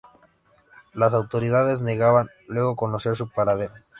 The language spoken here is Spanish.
Las autoridades negaban luego conocer su paradero.